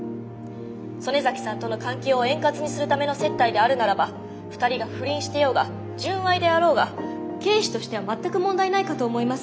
曽根崎さんとの関係を円滑にするための接待であるならば２人が不倫してようが純愛であろうが経費としては全く問題ないかと思います。